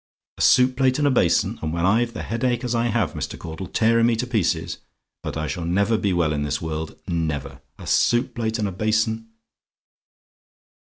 "A soup plate and a basin, and when I've the headache as I have, Mr. Caudle, tearing me to pieces! But I shall never be well in this world never. A soup plate and a basin!"